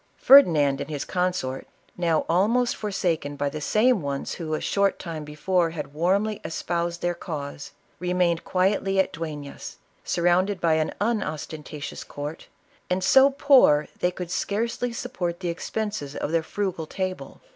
Ferdinand and his consort, now almost forsaken by the same ones who a short time before had warmly espoused their cause, remained quietly at Duemis, sur rounded by an unostentatious court, and so poor' they could scarcely support the expenses of their frugal table.